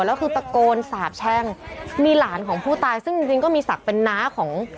แล้วคือตะโกนสาบแช่งมีหลานของผู้ตายซึ่งจริงจริงก็มีศักดิ์เป็นน้าของ